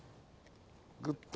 グッと。